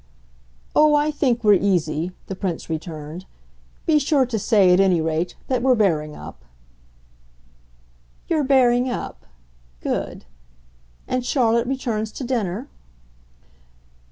"Oh, I think we're easy," the Prince returned. "Be sure to say, at any rate, that we're bearing up." "You're bearing up good. And Charlotte returns to dinner?"